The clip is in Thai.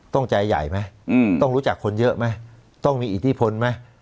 ต้องใจใหญ่ไหมต้องรู้จักคนเยอะไหมต้องมีอิทธิพลไหม